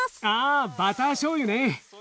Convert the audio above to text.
あバターしょうゆね。